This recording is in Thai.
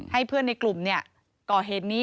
ให้เพื่อนในกลุ่มก่อเหตุนี้